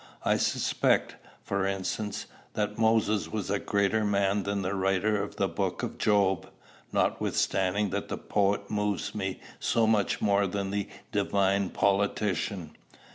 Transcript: I suspect, for instance, that Moses was a greater man than the writer of the Book of Job, notwithstanding that the poet moves me so much more than the divine politician.